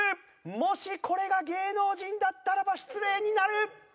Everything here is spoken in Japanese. もしこれが芸能人だったらば失礼になる。